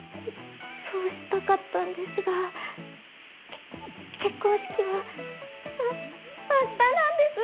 そうしたかったんですが結婚式はあ明日なんです。